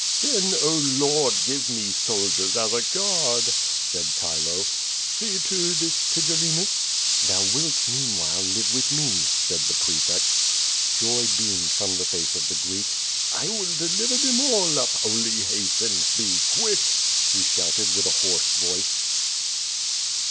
'' "Then, oh. Lord, give me soldiers as a guard," said Chilo. "See to this Tigellinus." "Thou wilt, meanwhile, live with me," said the prefect. Joy beamed from the face of the Greek. "1 will deliver them all up, only hasten. Be quick!*' he shouted with a hoarse voice.